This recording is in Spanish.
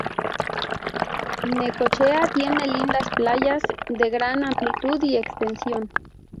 Necochea tiene lindas playas, de gran amplitud y extensión.